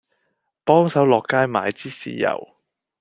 幫手落街買支豉油